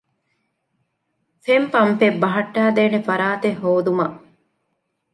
ފެން ޕަންޕެއް ބަހައްޓައިދޭނެ ފަރާތެއް ހޯދުމަށް